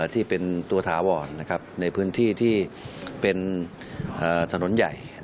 ที่เป็นตัวถาวรในพื้นที่ที่เป็นถนนใหญ่